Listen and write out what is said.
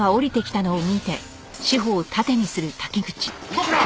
動くな！